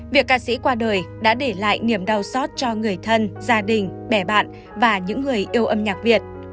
việc ca sĩ qua đời đã để lại niềm đau xót cho người thân gia đình bè bạn và những người yêu âm nhạc việt